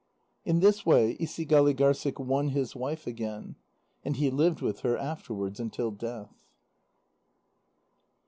In this way Isigâligârssik won his wife again, and he lived with her afterwards until death.